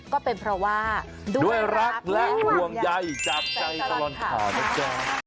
ก็เป็นเพราะว่าด้วยรักและห่วงใยจากใจตลอดข่าวนะจ๊ะ